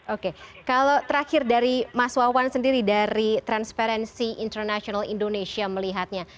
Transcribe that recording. oke kalau terakhir dari mas wawan sendiri dari transparency international indonesia melihatnya